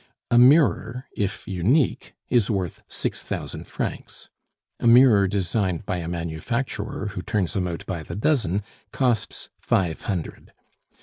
A mirror, if unique, is worth six thousand francs; a mirror designed by a manufacturer who turns them out by the dozen costs five hundred.